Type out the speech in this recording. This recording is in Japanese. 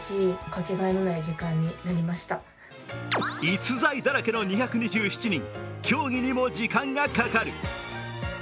逸材だらけの２２７人、協議にも時間がかかる。